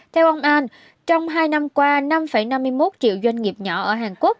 theo ông an trong hai năm qua năm năm mươi một triệu doanh nghiệp nhỏ ở hàn quốc